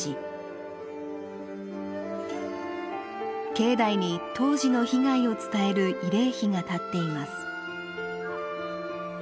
境内に当時の被害を伝える慰霊碑が立っています。